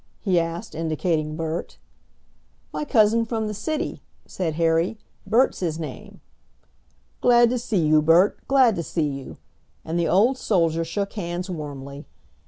he asked, indicating Bert. "My cousin from the city," said Harry, "Bert's his name." "Glad to see you, Bert, glad to see you!" and the old soldier shook hands warmly.